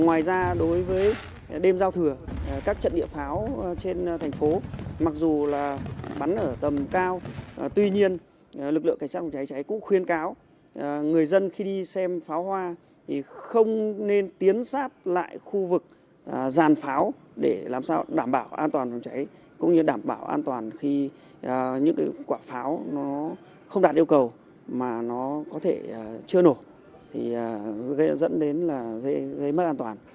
ngoài ra đối với đêm giao thừa các trận địa pháo trên thành phố mặc dù là bắn ở tầm cao tuy nhiên lực lượng cảnh sát phòng cháy cháy cũng khuyên cáo người dân khi đi xem pháo hoa thì không nên tiến sát lại khu vực giàn pháo để làm sao đảm bảo an toàn phòng cháy cũng như đảm bảo an toàn khi những quả pháo nó không đạt yêu cầu mà nó có thể chưa nổ thì gây dẫn đến là gây mất an toàn